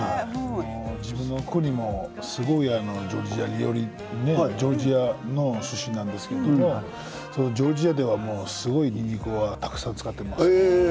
自分の国も、すごいジョージア料理ジョージア出身なんですけどジョージアでは、すごいにんにくはたくさん使っています。